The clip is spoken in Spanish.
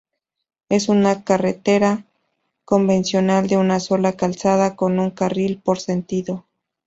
Es una carretera convencional de una sola calzada con un carril por sentido.